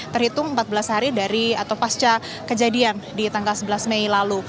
terhitung empat belas hari dari atau pasca kejadian di tanggal sebelas mei lalu